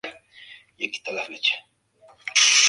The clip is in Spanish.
Posteriormente, Alan Moore sería sustituido por Jamie Delano.